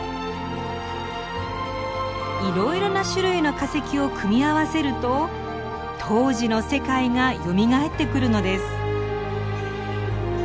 いろいろな種類の化石を組み合わせると当時の世界がよみがえってくるのです。